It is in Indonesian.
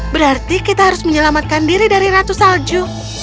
berarti kita harus menyelamatkan diri dari ratu salju